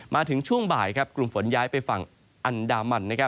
มาถึงช่วงบ่ายกลุ่มฝนย้ายไปฝั่งอันดามัน